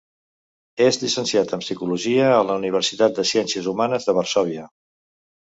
És llicenciat en psicologia a la Universitat de Ciències Humanes de Varsòvia.